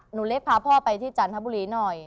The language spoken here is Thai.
หนูเล็กพาพ่อไปที่จันทบุรีหน่อย